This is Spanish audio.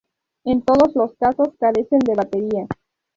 En todos los casos, carecen de batería.